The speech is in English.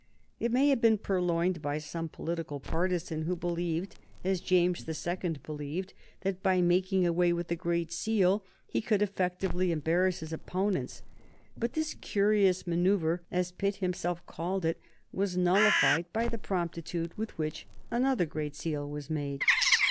It may have been purloined by some political partisan who believed, as James the Second believed, that by making away with the Great Seal he could effectively embarrass his opponents. But this "curious manoeuvre," as Pitt himself called it, was nullified by the promptitude with which another Great Seal was made.